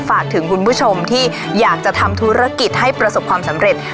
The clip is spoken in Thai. ฝากถึงคุณผู้ชมที่อยากจะทำธุรกิจให้ประสบความสำเร็จ